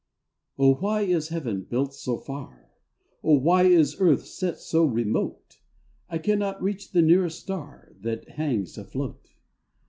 r\H why is heaven built so far, Oh why is earth set so remote ? I cannot reach the nearest star That hangs afloat.